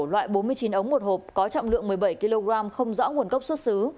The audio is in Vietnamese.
loại bốn mươi chín ống một hộp có trọng lượng một mươi bảy kg không rõ nguồn gốc xuất xứ